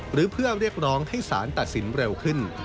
หรือเพื่อเรียกร้องให้สารตัดสินเร็วขึ้น